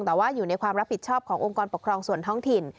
แต่ว่าอยู่ในความรับผิดชอบขององค์กรปกครองส่วนท้องถิ่น